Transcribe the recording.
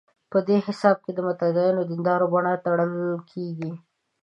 په دې حساب د متدینو د دیندارۍ بڼه تړل کېږي.